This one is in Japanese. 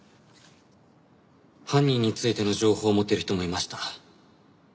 犯人についての情報を持ってる人もいました。